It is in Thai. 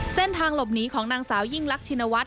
เส้นทางหลบหนีของนางสาวยิ่งลักษณวัฒน์ชินวัฒน์